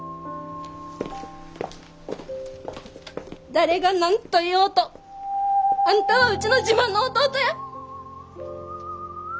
誰が何と言おうとあんたはうちの自慢の弟や。